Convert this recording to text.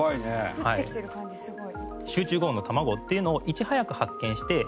降ってきてる感じすごい。